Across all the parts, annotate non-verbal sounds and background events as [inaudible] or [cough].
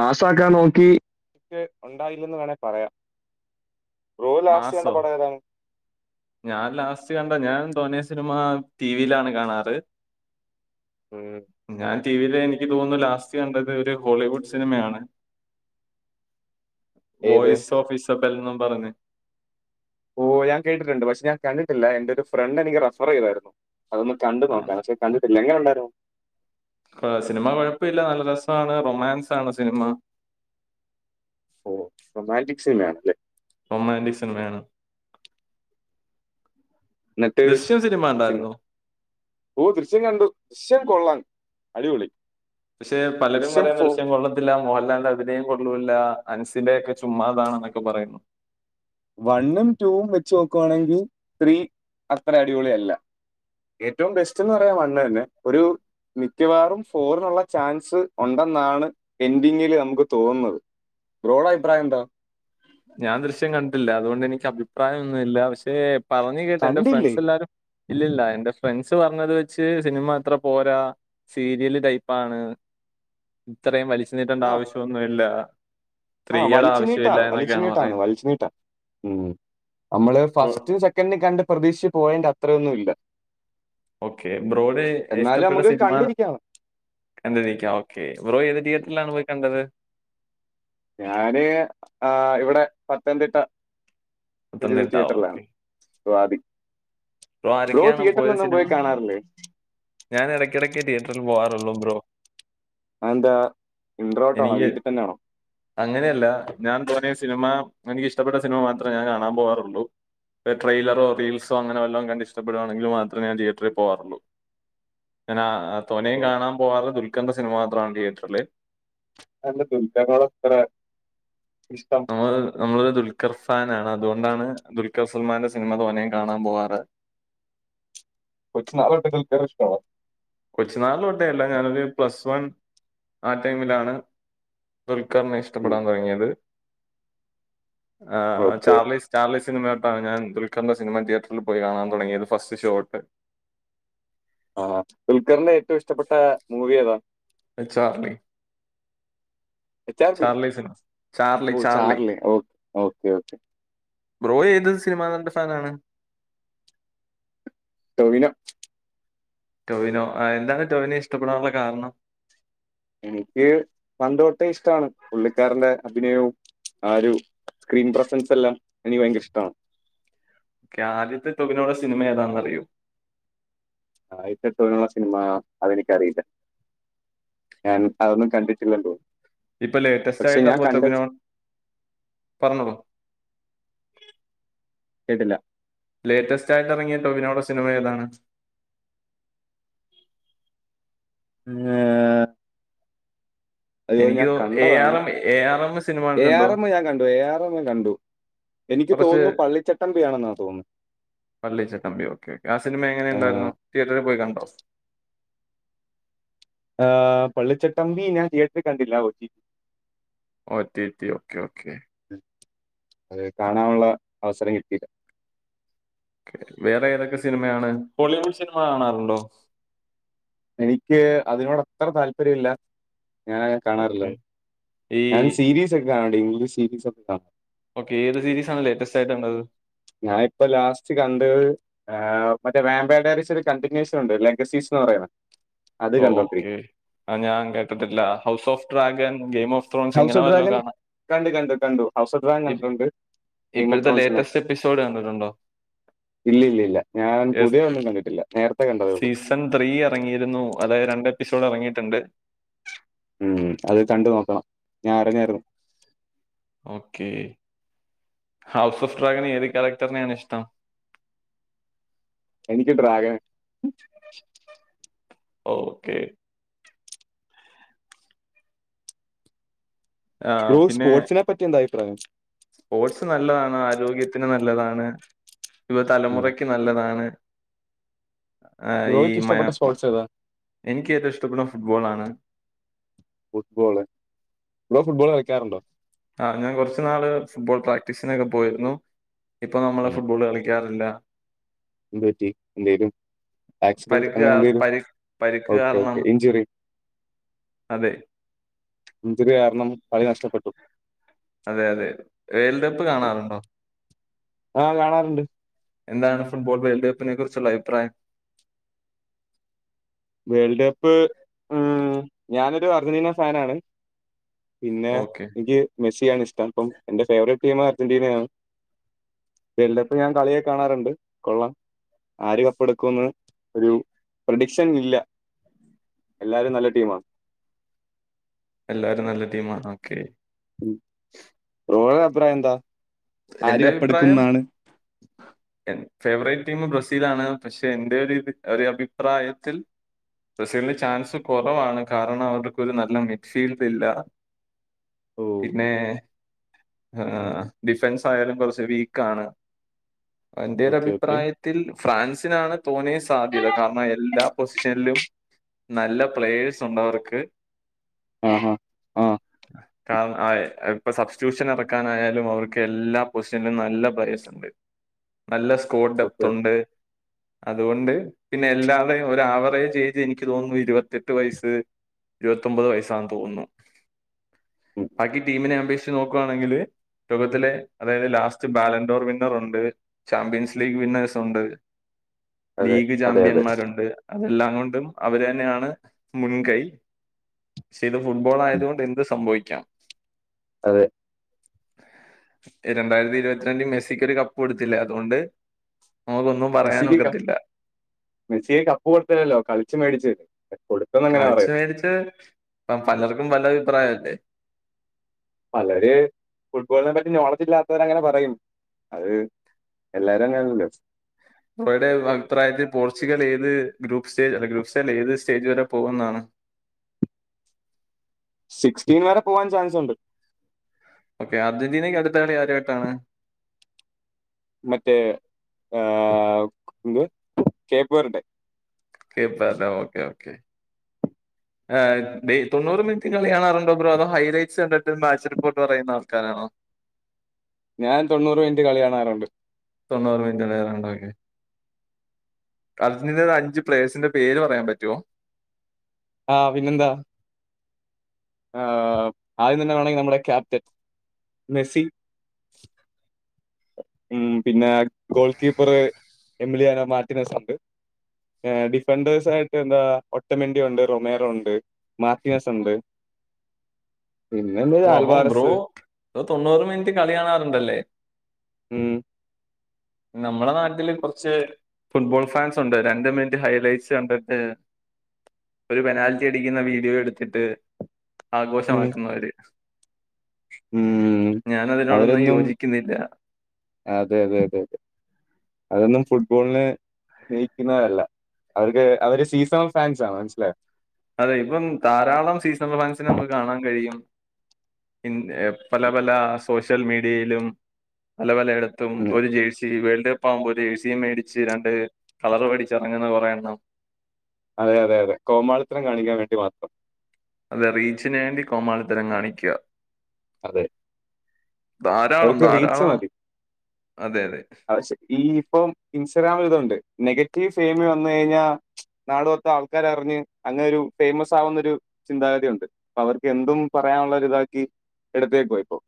പാസാക്കാൻ നോക്കി ഉണ്ടായില്ലന്ന് വേണമെങ്ക പറയാം bro last കണ്ട മാസോ പടം ഏതാണ് ഞാൻ ലാസ്റ്റ് കണ്ട ഞാൻ തോന സിനിമ ടി വിയിലാണ് കാണാറ് [inaudible] ഉം ഞാൻ ടിവിൽ എനിക്ക് തോന്നുന്നു ലാസ്റ്റ് കണ്ടത് ഒരു ഹോളിവുഡ് സിനിമയാണ് ഏത് വോയിസ് ഓഫ് ഇസഫൽ എന്നും പറഞ്ഞ് ഓ ഹ് ഞാൻ കേട്ടിട്ടുണ്ട് പക്ഷെഞാൻ കണ്ടിട്ടില്ല എന്റ ഒരു ഫ്രണ്ട് എനിക്ക് റഫർ ചെയ്തായിരുന്നു അതൊന്ന് കണ്ട് ആ, നോക്കാൻ പക്ഷെ കണ്ടിട്ടില്ല എങ്ങനെ ഉണ്ടായിരുന്നു സിനിമ കുഴപ്പമില്ല നല്ല രസമാണ് റൊമാൻസ് ആണ് സിനിമ ഓഹ് റൊമാന്റിക് സിനിമയാണല്ലേ റൊമാന്റിക് സിനിമയാണ് എന്നിട്ട് ദൃശ്യം സിനിമ ഉണ്ടായിരുന്നു ഓ ദൃശ്യം കണ്ടു ദൃശ്യം കൊള്ളാം അടിപൊളി പക്ഷെ പലരും പറയുന്ന ദൃശ്യം കൊള്ള കൊള്ളില്ല മോഹൻലാലിന്റെ അബിനയം കൊള്ളില്ല അനസിന്റെ ഒക്കെ ചുമ്മാതാണന്നൊക്കെ പറയുന്നു വണ്ണും റ്റുവും വെച്ച് നോക്കുവാണെങ്കിൽ ത്രീ അത്ര അടിപൊളി അല്ല ഏറ്റവും ബെസ്റ്റ് എന്ന് പറഞ്ഞാ വണ്ണ് തന്നെ ഒരു മിക്കവാറും ഫോറിനുള്ള ചാൻസ് ഉണ്ടെന്നാണ് എൻഡിങ്ങില് നമുക്ക് തോന്നുന്നത് ബ്രോയുടെ അഭിപ്രായം എന്താ ഞാൻ ദൃശ്യം കണ്ടിട്ടില്ല അതുകൊണ്ട് എനിക്ക് അഭിപ്രായമൊന്നുമില്ല പക്ഷെ പറഞ്ഞ് കേട്ട് എന്റെ കണ്ടില്ലേ? ഫ്രണ്ട്സ് എല്ലാരും ഇല്ലില്ല എന്റെ ഫ്രണ്ട്സ് പറഞ്ഞത് വെച്ച് സിനിമ അത്ര പോരാ സീരിയല് ടൈപ്പാണ് ഇത്രയും വലിച്ചു നീട്ടേണ്ട ആവശ്യമൊന്നുമില്ല ആഹ്‌ സ്ത്രീയുടെ വലിച്ചു നീട്ടാ ആവശ്യമില്ല വലിച്ചു എന്നൊക്കെയാണ് നീട്ടാണ് പറയുന്നത്. വലിച്ചു നീട്ടാ ഉം നമ്മള് ബ്രോ ഫസ്റ്റ് [unintelligible] കണ്ട് പ്രതീക്ഷിച്ച് പോയേന്റെ അത്രയൊന്നുമില്ല ഓക്കെ ബ്രോയുടെ എന്നാലും ഇഷ്ടപ്പെട്ട നമുക്ക് സിനിമ കണ്ടിരിക്കാം. കണ്ട നീക്കാം [unintelligible] ഓക്കെ ബ്രോ ഏത് ഉം. തിയേറ്ററിലാണ് പോയി കണ്ടത് ഞാന് ആ ഇവിടെ പത്തനംതിട്ട ഒരു പത്തനംതിട്ട ഓക്കെ തിയറ്ററിലാണ് ആ [unintelligible] ബ്രോ ആരൊക്കെയാണ് പോയത് തീയറ്ററിലൊന്നും സിനിമ? പോയി കാണാറില്ലേ ഞാൻ ഇടക്കിടയ്ക്ക് തിയറ്ററിൽ പോകാറുളള് ബ്രോ അതെന്താ ഇൻട്രോട്ടാണോ എനിക്ക് വീട്ടി തന്നെയാണോ? അങ്ങനെയല്ല ഞാൻ തോനേ സിനിമ എനിക്കിഷ്ടപ്പെട്ട സിനിമ മാത്രമേ ഞാൻ കാണാൻ പോകാറുള്ളൂ ട്രെയിലറോ റീൽസോ അങ്ങനെ വല്ലാം കണ്ട് ഇഷ്ടപ്പെടുകയാണെങ്കിൽ മാത്രേമേ ഞാൻ തീയേറ്ററിൽ പോവാറുള്ളൂ ഞാനാ തോനേയും ഓഹ് കാണാൻ പോകാറ് ദുൽക്കറിന്റെ സിനിമ മാത്രമാണ് തിയേറ്ററില് അതെന്താ ദുൽക്കാരനോട് ഇത്ര ഇഷ്ടം നമ്മ നമ്മളൊരു ദുൽഖർ ഫാൻ ആണ് അതുകൊണ്ടാണ് ദുൽഖർ സൽമാന്റെ സിനിമ തോനേയും കാണാൻ പോകാറ് കൊച്ചു നാള് തൊട്ട് ദുൽക്കറെ ഇഷ്ടോ കൊച്ചു നാള് തൊട്ടേ അല്ല ഞാനൊരു പ്ലസ് വൺ ആ ടൈമിലാണ് ദുൽഖറിനെ ഉം ഇഷ്ടപ്പെടാൻ തുടങ്ങിയത് ആ ഓക്കെ ചാർലീസ് ചാർലസ് സിനിമ തൊട്ടാ ഞാൻ ദുൽഖന്റെ സിനിമ തിയേറ്ററിൽ പോയി കാണാൻ തുടങ്ങിയത് ഫസ്റ്റ് ഷോ തൊട്ട് ആഹ് ദുൽഖറിന്റെ ഏറ്റവും ഇഷ്ടപ്പെട്ട മൂവി ഏതാ Charlie H R B Charlie സിനിമ ചാർലി ഓഹ് ചാർലി ഓഹ് ഓക്കെ ഓക്കെ ബ്രോ ഏത് സിനിമ നടന്റെ ഫാനാണ് ടോവിനോ ടോവിനോ എന്താണ് ടോവിനേ ഇഷ്ടപ്പെടാനുള്ള കാരണം എനിക്ക് പണ്ട് തൊട്ടേ ഇഷ്ടമാണ് പുള്ളിക്കാരന്റെ അഭിനയവും ആ ഒരു സ്ക്രീൻ പ്രസൻസ് എല്ലാം എനിക്ക് ഭയങ്കര ഇഷ്ടമാണ് ആദ്യത്തെ ടൊവിനോ യുടെ സിനിമ ഏതാന്നറിയോ ആദ്യത്തെ ടോവിനോയുടെ സിനിമ അതെനിക്കറിയില്ല ഞാൻ അതൊന്നും കണ്ടിട്ടില്ലല്ലോ ഇപ്പൊ ലേറ്റസ്റ്റ് ആയിട്ടാ പോച്ചഭിനോ പറഞ്ഞോളൂ കേട്ടില്ല ലേറ്റസ്റ്റ് ആയിട്ട് ഇറങ്ങിയ ടൊവിനോയുടെ സിനിമ ഏതാണ് ഏഹ് അയ്യോ എനിക്ക് ഞാൻ എ കണ്ടതാണ് R M A R M സിനിമ ഏ കണ്ടിട്ടുണ്ടോ ആർ എം ഞാൻ കണ്ടു ഏ ആർ എം കണ്ടു എനിക്ക് കുറച്ച് തോന്നുന്നു പള്ളിച്ചട്ടമ്പിയാണെന്നാ തോന്നുന്നു പള്ളിച്ചട്ടമ്പി ഓക്കെ ഓക്കെ ആ സിനിമ എങ്ങനെ ഏഹ്, ഉണ്ടായിരുന്നു തിയേറ്ററിൽ പോയി കണ്ടോ? ആഹ് പള്ളിച്ചട്ടമ്പി ഞാൻ തിയേറ്ററിൽ കണ്ടില്ല O T O T T okay okay അത് കാണാനുള്ള അവസരം കിട്ടിയില്ല വേറെ ഏതൊക്കെ സിനിമയാണ് ഹോളിവുഡ് സിനിമ കാണാറുണ്ടോ എനിക്ക് അതിനോട് അത്ര താല്പര്യം ഇല്ല ഞാൻ കാണാറില്ല ഓക്കെ ഈ ഞാൻ സീരീസൊക്കെ കാണാറുണ്ട് ഇംഗ്ലീഷ് സീരീസൊക്കെ കാണ ഓക്കെ ഏ സീരീസാണ് ലേറ്റസ്റ്റ് ആയിട്ട് കണ്ടത് ഞാൻ ഇപ്പോ ലാസ്റ്റ് കണ്ടത് ആ മറ്റേ വേമ്പേയുടെ ഒരു കണ്ടിന്യേഷൻ ഉണ്ട് ലെങ്ക സീസ് എന്ന് പറയുന്ന ഓക്കേ ആഹ് ഞാൻ കേട്ടിട്ടില്ല house of dragon game of Thrones house ഇങ്ങനെ ഓഫ് വല്ലതും ഡ്രഗൻ കാണാം കണ്ട് കണ്ട് കണ്ടു ഹൗസ് ഓഫ് ഡ്രാഗൻ കണ്ടിട്ടുണ്ട് ഗെയിം ഓഫ് ഇപ്പഴത്തെ ത്രോൺസ് കണ്ടു ലേറ്റസ്റ്റ് എപ്പിസോഡ് കണ്ടിട്ടുണ്ടോ? ഇല്ല ഇല്ല ഇല്ല ഞാൻ പുതിയൊന്നും കണ്ടിട്ടില്ല നേരത്തെ കണ്ടതേള്ളൂ. പൻ ത്രീ എറങ്ങിയിരുന്നു അതായത് രണ്ട് എപ്പിസോഡ് അറങ്ങിയിട്ടുണ്ട്. ഉം അത് കണ്ട് നോക്കണം ഞാൻ അറിഞ്ഞാരുന്നു. ഓക്കേ ഹൗസ് ഓഫ് ഡ്രാഗൻ ഏത് കാരക്ടർനെയാണ് ഇഷ്ടം എനിക്ക് ഡ്രാഗനെ ഓക്കെ ബ്രോ പിന്നെ സ്പോർട്സിനെ പറ്റി എന്താ അഭിപ്രായം സ്പോർട്സ് നല്ലതാണ് ആരോഗ്യത്തിന് നല്ലതാണ് യുവ ഉം. തലമുറക്ക് നല്ലതാണ്. ഏഹ് ഈ ബ്രോയ്ക്ക് മ ഇഷ്ടപ്പെട്ട മ സ്പോർട്സ് ഏതാ എനിക്ക് ഏറ്റവും ഇഷ്ടപ്പെടണ ഫുട്ബോളാണ്. ഫുട്ബോള് ബ്രോ ഫുട്ബോള് കളിക്കാറുണ്ടോ? ആഹ് ഞാൻ കൊറച്ച് നാള് ഫുട്ബോൾ പ്രാക്ടീസിനൊക്കെ പോയിരുന്നു. ഇപ്പൊ നമ്മള് ഉം. ഫുട്ബോള് കളിക്കാറില്ല എന്ത് പറ്റി എന്തേലും ആക്സിഡന്റ് പരിക്ക് കാ- അങ്ങനെന്തെലും പരി- പരിക്ക് ഓക്കെ കാരണം ഓക്കെ ഇഞ്ചുറി അതെ [unintelligible] നഷ്ടപ്പെട്ടു അതെ അതെ വേൾഡ്കപ്പ് കാണാറുണ്ടോ ആഹ് കാണാറുണ്ട്. എന്താണ് ഫുട്ബോൾ വേൾഡ് കപ്പിനെ കുറിച്ചുള്ള അഭിപ്രായം വേൾഡ് കപ്പ് ഉം ഞാനൊരു അർജന്റീന ഫാനാണ്. പിന്നെ ഓക്കെ എനിക്ക് മെസ്സിയാണ് ഇഷ്ടം അപ്പം എന്റെ ഫേവറേറ്റ് ടീം അർജന്റീനയാണ്. വേൽഡപ്പ് ഞാൻ കളിയെ കാണാറുണ്ട് കൊള്ളാം. ആര് കപ്പെടുക്കുന്ന് ഒരു പ്രെഡിക്ഷ റ്റൻ ഇല്ല എല്ലാരും നല്ല ടീമാണ്. എല്ലാരും നല്ല ടീമാണ് ഓക്കേ. ബ്രോടെ അഭിപ്രായം എന്താ ആര് എന്റെ കപ്പെടുക്കും അഭിപ്രായം എന്നാണ്? എൻ ഫേവറേറ്റ് ടീം ബ്രസീലാണ് പക്ഷെ എന്റൊരുത് ഒര് അഭിപ്രായത്തിൽ ബ്രസീലിന് ചാൻസ് കൊറവാണ് കാരണം അവർക്കൊരു നല്ല മിഡ്ഫീൽഡ് ഇല്ല. ഓ പിന്നേ ആഹ് ഡിഫൻസായാലും കൊറച്ച് വീക്കാണ് എന്റെ ഒരു ഓക്കെ ഓക്കെ. അഭിപ്രായ ത്തിൽ ഫ്രാൻസിനാണ് തോന്നേ സാധ്യത കാരണം എല്ലാ പൊസിഷനിലും നല്ല പ്ലേയേഴ്സ് ഉണ്ട് അവർക്ക് ആഹാ ആ ക ആഹ് ഇപ്പൊ സബ്സ്റ്റ്യൂഷൻ എറക്കാനായാലും അവർക്ക് എല്ലാ പൊസിഷനിലും നല്ല പ്ലയെർസ്ണ്ട് നല്ല സ്കോർ ഓക്കെ ഓക്കെ. ഡെപ്ത്തുണ്ട് അതുകൊണ്ട് പിന്നെ എല്ലാതയും ഒരവറേജ് ഏജ് എനിക്ക് തോന്നുന്നു ഇരുവത്തെട്ട് വയസ്സ് ഇരുവത്തൊമ്പത് വയസ്സാന്ന് തോന്നുന്നു ഉം. ബാക്കി ടീമിനെ അപേക്ഷിച്ച് നോക്കാണെങ്കില് ത്തിലെ അതായത് ലാസ്റ്റ് ബാലൻഡോർ വിന്നറുണ്ട് ചാമ്പ്യൻസ് ലീഗ് വിന്നേഴ്സുണ്ട്. അതെ ലീഗ് അതെ അതെ. ചാമ്പ്യന്മാരുണ്ട്. അതെല്ലാം കൊണ്ടും അവര്ന്നെയാണ് മുൻകൈ. പക്ഷെ ഇത് ഉം. ഫുട്ബോളായതുകൊണ്ട് എന്ത് സംഭവിക്കാം. അതെ രണ്ടായിരത്തി ഇരുപത്തിരണ്ടിൽ മെസ്സിക്ക് ഒരു കപ്പ് കൊടുത്തില്ലേ അതുകൊണ്ട് നമുക്കൊന്നും മെസ്സിക്ക് കപ് പറയാനൊക്കത്തില്ല മെസ്സിക്ക് കപ്പ് കൊടുത്തതല്ലല്ലോ കളിച്ചു മേടിച്ച് കപ്പ് കൊടു കളിച്ചു മേടിച്ച ഇപ്പ പലർക്കും പല അഭിപ്രായംല്ലേ പലര് ഫുട്ബോളിനെ പറ്റി നോളജ് ഇല്ലാത്തവർ അങ്ങനെ പറയും അഹ് എല്ലാരും അങ്ങനെല്ലെ ബ്രോയുടെ അഭിപ്രായത്തിൽ പോർച്ചുഗൽ ഏത് ഗ്രൂപ്പ് സ്റ്റേജ് അല്ല ഗ്രൂപ്പ് സ്റ്റേൽ ഏത് സ്റ്റേജ് വരെ പോകുന്നാണ് സിക്സ്റ്റീൻ വരെ പോവാൻ ചാൻസ് ഉണ്ട് ഓക്കെ അർജന്റീനയ്ക്ക് അടുത്ത കളി ആരുമായിട്ടാണ് മറ്റേ ആഹ് എന്ത് Cape Verde Cape Verde okay okay ഏഹ് ടേ തൊണൂറ് മിനിറ്റ് കളി കാണാറുണ്ടോ ബ്രോ അതോ ഹൈലൈറ്റ്സ് കണ്ടിട്ട് മാച്ച് റിപ്പോർട്ട് പറയുന്ന ആൾക്കാരാണോ ഞാൻ തൊണൂറ് മിനിറ്റ് കളി കാണാറുണ്ട് തൊണ്ണൂറ് മിനിറ്റ് കാണാറുണ്ട്, ഓക്കെ അർജന്റീന അഞ്ച് പ്ലേഴ്സിന്റെ പേര് പറയാൻ പറ്റോ ആഹ് പിന്നെന്താ ആഹ് ആദ്യം തന്നെ വേണമെങ്കി നമ്മടെ ക്യാപ്റ്റൻ മെസ്സി ഉം പിന്നെ goal keeper Emiliano Martinez defenders ആയിട്ട് എന്താ ഒട്ടമന്റി ഒണ്ട് റൊമേറോ ഒണ്ട് മാർട്ടിനസുണ്ട് പിന്നെന്താ ഓ ഹ് അപ്പം ബ്രോ തൊണ്ണൂറ് മിനിറ്റ് കളി കാണാറുണ്ടല്ലേ ഉം നമ്മളെ നാട്ടില് കൊർച്ച് ഫുട്ബോൾ ഫാൻസ് ഉണ്ട് രണ്ട് മിനിറ്റ് ഹൈലൈറ്റ്സ് കണ്ട്ണ്ട് ഒരു പെനാൽറ്റി അടിക്കുന്ന വീഡിയോ എടുത്തിട്ട് ഉം, ആഘോഷമാക്കുന്നവര് ഉം. ഞാൻ അതിനോടൊന്നും അവരൊന്നും യോജിക്കുന്നില്ല അതെ അതെ അതെ അതെ അതൊന്നും ഫുട്ബോളിന് സ്നേഹിക്കുന്നവരല്ല അവർക്ക് അവര് സീസണൽ ഫാൻസാണ് മനസ്സിലായോ അതെ ഇപ്പം ധാരാളം സീസണൽ ഫാൻസിനെ നമുക്ക് കാണാൻ കഴിയും പല പല സോഷ്യൽ മീഡിയയിലും പല പല ടത്തും ഉം. ഒരു ജേഴ്സി വേൾഡ് കപ്പ് കപ്പാക്കുമ്പോ ജേഴ്‌സിയും മേടിച്ച് രണ്ട് കളർ മേടിച്ച് ഇറങ്ങുന്ന കുറെ എണ്ണം അതെ അതെ അതെ കോമാളിത്തരം കാണിക്കാൻ വേണ്ടി മാത്രം അത് റീച്ചിന് വേണ്ടി കോമാളിത്തരം കാണിക്കുവാ അതെ ധാരാളം അവർക്ക് റീച്ച് ധാരാളം അതെ അതെ ശെ ഈ ഇപ്പം ഇൻസ്റ്റഗ്രാമിൽ ഇതൊണ്ട് നെഗറ്റീവ് ഫെയിമീ വന്ന് കഴിഞ്ഞാൽ നാട് മൊത്തം ആൾക്കാര് അറിഞ്ഞ് അങ്ങനെ ഒരു ഫേമസ് ആവുന്നൊരു ചിന്താഗതി ഒണ്ട് അപ്പൊ അവർക്ക് എന്തും പറയാനുള്ള ഒരിതാക്കി എടുത്തേക്കുവാ ഇപ്പോ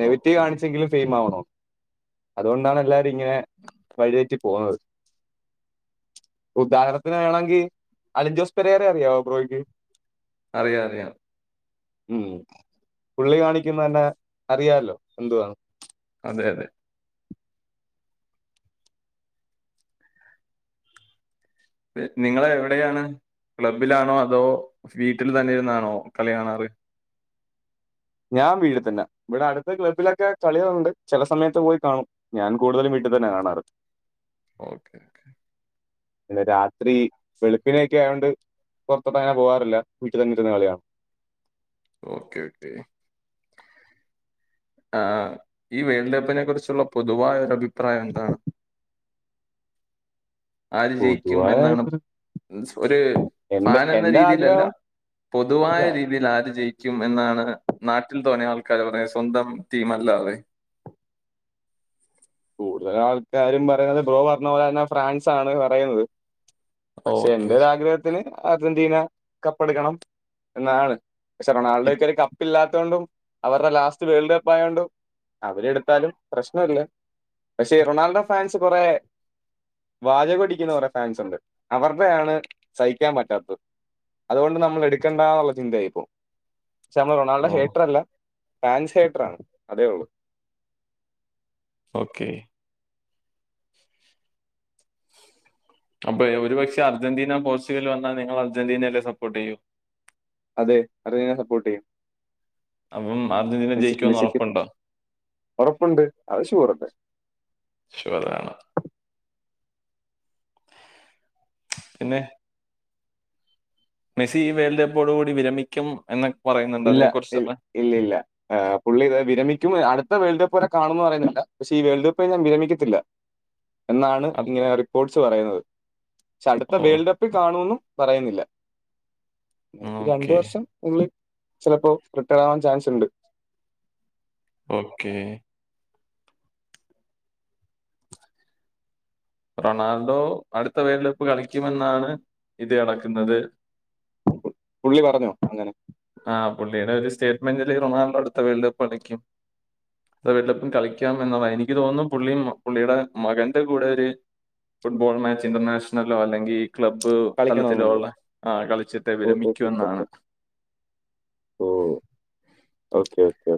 നെഗറ്റീവ് ഓക്കെ കാണിച്ചെങ്കിലും ഫെയിം ആവണോ അതുകൊണ്ടാണ് എല്ലാരും ഇങ്ങനെ വഴിതെറ്റി [unintelligible] ഉദാഹരണത്തിന് വേണമെങ്കിൽ അലിൻ ജോസ് പെരേരെയേ അറിയാവോ ബ്രോയ്ക്ക് അറിയാം അറിയാം ഉം പുള്ളി കാണിക്കുന്ന തന്നെ അറിയാലോ എന്തുവാന്ന് അതെ അതെ നിങ്ങൾ എവിടെയാണ് ക്ലബ്ബിലാണോ അതോ വീട്ടിൽ തന്നെ ഇരുന്നാണോ കളി കാണാറ് ഞാൻ വീട് തന്നെ ഇവിടെ അടുത്ത ക്ലബ്ബിലൊക്കെ കളികളുണ്ട് ചെല സമയത്ത് പോയി കാണും ഞാൻ കൂടുതലും വീട്ടിൽ തന്നെ കാണാറ് ഓക്കെ ഓക്കെ പിന്നെ രാത്രി വെളുപ്പിനൊക്കെ ആയൊണ്ട് പൊറത്തോട്ട് അങ്ങനെ പോകാറില്ല വീട്ടിൽ തന്നിരുന്ന കളി കാണും ഓക്കെ ഓക്കേ ആഹ് അഹ് ഈ വേൾഡ് കപ്പിനെ കുറിച്ചുള്ള പൊതുവായ ഒരു അഭിപ്രായം എന്താണ് ആര് ജയിക്കും എന്നാണ് പൊതുവായിട്ട് ഒരു എന്റെ ഫാൻ എന്ന എന്റെ രീതിലല്ല ആഗ്രഹം പൊതുവായ അല്ല രീതിയിൽ ആര് ജയിക്കും ക്കും എന്നാണ് നാട്ടിൽ തോന്ന ആൾക്കാര് പറണ് സ്വന്തം ടീം അല്ലാതെ കൂടുതലും ആൾക്കാരും പറയുന്നത് ബ്രോ പറഞ്ഞ പോലെ തന്നെ ഫ്രാൻസ് ആണ് പറയുന്നത് പക്ഷെ ഓക്കെ എന്റെ ഒരാഗ്രഹത്തിന് അർജന്റീന കപ്പെടുക്കണം എന്നാണ് പക്ഷെ റൊണാൾഡോക്കൊ ഒരു ഇല്ലാതോണ്ടും അവരുടെ ലാസ്റ്റ് വേൾഡ് കപ്പ് ആയോണ്ടും അവരെ ടുത്താലും പ്രശ്നല്ല പക്ഷേ ഈ റൊണാൾഡോ ഫാൻസ് കൊറെ വാചകൊടിക്കുന്ന കുറെ ഫാൻസ് ഉണ്ട് അവർടെയാണ് സഹിക്കാൻ പറ്റാത്തത് അതുകൊണ്ട് നമ്മൾ എടുക്കണ്ട എന്നുള്ള ചിന്തായി ഇപ്പോ പക്ഷെ നമ്മൾ റൊണാൾഡോ ഓ ഹേറ്റർ അല്ല ഫാൻസ് ഹേറ്റർ ആണ് അതേ ഉള്ളൂ ഓക്കേ അപ്പൊ ഒരു പക്ഷെ അർജന്റീന പോർച്ചുഗൽ വന്നാൽ നിങ്ങൾ അർജന്റീനലെ സപ്പോർട്ട് ചെയ്യൂ അതെ അറജൻ്റീന സപ്പോർട്ട് ചെയ്യും അപ്പം അർജന്റീന മെസ്സി ജയിക്കുന്ന് മെസ്സിക്ക് ഉറപ്പുണ്ടോ ഉറപ്പുണ്ട് അത് ശൂറല്ലെ. ശുവറാണ്. പിന്നെ മെസ്സി വേൾഡ്കപ്പോടു കൂടി വിരമിക്കും എന്ന ഇല്ല ഇ ഇല്ല ഇല്ല ആഹ് പുള്ളി ഇതവിരമിക്കുംഅടുത്തവേൾഡ്കപ്പ് വരെ കാണന്ന് പറയുന്നില്ല പക്ഷെ ഈ വേൾഡ് കപ്പ് കഴിഞ്ഞാ വിരമിക്കത്തില്ല എന്നാണ് അത്. ഇങ്ങനെ റിപ്പോർട്സ് പറയുന്നത് പക്ഷെ അടുത്ത ഓ വേൾഡ് കപ്പ് കാണുന്നും പറയുന്നില്ല രണ്ട ഓക്കെ വർഷം ചിലപ്പോൾ റിട്ടഡ ആവാൻ ചാൻസ് ഇണ്ട് ഓക്കേ റൊണാൾഡോ അടുത്ത വേൾഡ് കപ്പ് കളിക്കുമെന്നാണ് ഇത് കടക്കുന്നത് പുള്ളി പറഞ്ഞോ അങ്ങനെ? ആഹ് പുള്ളിയുടെ ഒരു സ്റ്റേറ്റ്മെന്റ്ല്ല റൊണാൾഡോ അടുത്ത വേൾഡ് കപ്പ് കളിക്കും അത് വെല്ലപ്പും കളിക്കാം എന്നത [unintelligible] എനിക്ക് തോന്നും പുള്ളി പുള്ളിയുടെ മകന്റെ കൂടെ ഒരു ഫുട്ബോൾ മാച്ച് ഇന്റർനാഷണലോ അല്ലെങ്കി ക്ലബ്ബ് കളിക്കണമെന്നുണ്ട് തലത്തിലുള്ള ആഹ് കളിച്ചിട്ട് ഓ ഓ വിരമിക്കും ഓ ഓ ഓ എന്നാണ് ഓ ഓക്കെ ഓക്കെ